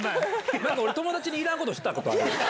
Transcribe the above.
なんか俺、友達にいらんことしたことある？